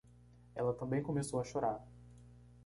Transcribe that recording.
Ela também começou a chorar